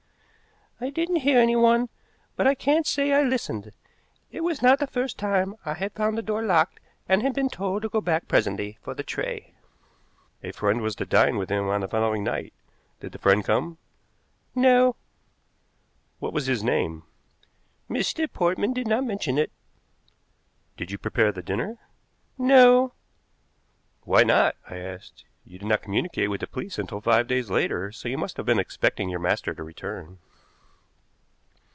"I didn't hear anyone, but I can't say I listened. It was not the first time I had found the door locked and been told to go back presently for the tray." "A friend was to dine with him on the following night. Did the friend come?" "No." "What was his name?" "Mr. Portman did not mention it." "Did you prepare the dinner?" "No." "Why not?" I asked. "You did not communicate with the police until five days later, so you must have been expecting your master to return."